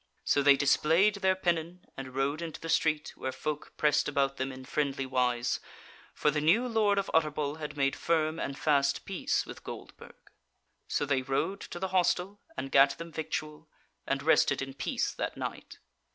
So they displayed their pennon, and rode into the street, where folk pressed about them in friendly wise; for the new Lord of Utterbol had made firm and fast peace with Goldburg. So they rode to the hostel, and gat them victual, and rested in peace that night.